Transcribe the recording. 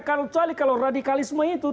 kecuali kalau radikalisme itu